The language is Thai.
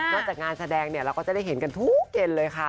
จากงานแสดงเนี่ยเราก็จะได้เห็นกันทุกเย็นเลยค่ะ